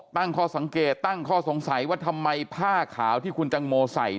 ตั้งข้อสังเกตตั้งข้อสงสัยว่าทำไมผ้าขาวที่คุณตังโมใส่